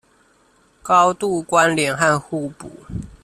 高度關聯和互補